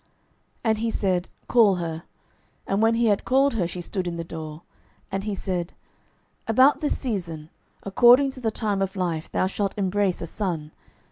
12:004:015 And he said, Call her. And when he had called her, she stood in the door. 12:004:016 And he said, About this season, according to the time of life, thou shalt embrace a son.